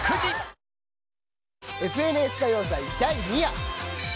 「ＦＮＳ歌謡祭第２夜」。